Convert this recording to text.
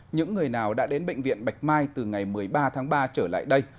những người nào đã đến bệnh viện bạch mai từ ngày một mươi ba tháng ba trở lại đây